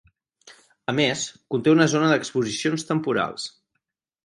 A més, conté una zona d'exposicions temporals.